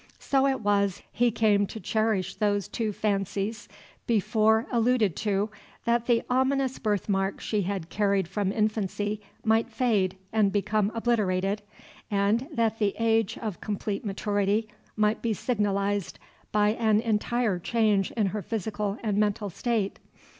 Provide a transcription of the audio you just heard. So it was he came to cherish those two fancies before alluded to that the ominous birthmark she had carried from infancy might fade and become obliterated, and that the age of complete maturity might be signalized by an entire change in her physical and mental state.